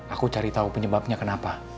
aku cari tahu penyebabnya kenapa